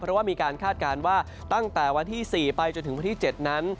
เพราะว่ามีการคาดการณ์ว่าตั้งแต่วันที่๔ไปจนถึงวันที่๗นั้น